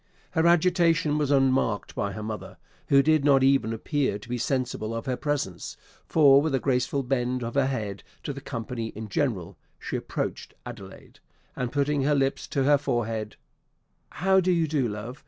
Her agitation was unmarked by her mother, who did not even appear to be sensible of her presence; for, with a graceful bend of her head to the company in general, she approached Adelaide, and putting her lips to her forehead, "How do you do, love?